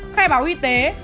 khai báo y tế